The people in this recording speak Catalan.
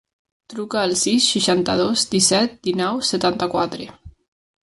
Truca al sis, seixanta-dos, disset, dinou, setanta-quatre.